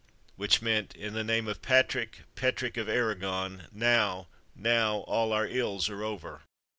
_" which meant, "In the name of Patrick, Petrick of Aragon, now, now, all our ills are over!"